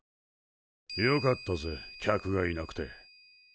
よかったぜ客がいなくて。